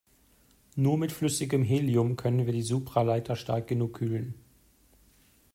Nur mit flüssigem Helium können wir die Supraleiter stark genug kühlen.